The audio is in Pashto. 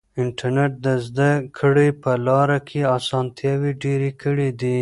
انټرنیټ د زده کړې په لاره کې اسانتیاوې ډېرې کړې دي.